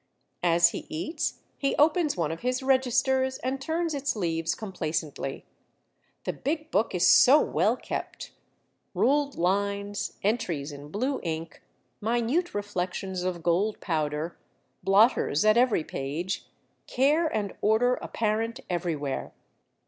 As he eats, he opens one of his registers, and turns its leaves complacently. The big book is so well kept !— ruled lines, entries in blue ink, minute reflections of gold powder, blotters at every page, care and order apparent everywhere.